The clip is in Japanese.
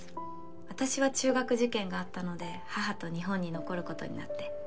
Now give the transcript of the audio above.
私は中学受験があったので母と日本に残ることになって。